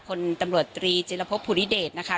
คนตำรวจตรีจิรพบภูริเดชนะคะ